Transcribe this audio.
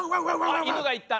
あっ犬が行った。